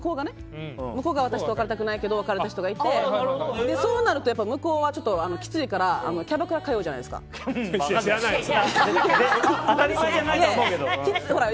向こうが私と別れたくないけど別れた人がいてそうなると向こうはきついから知らないよ、そこは。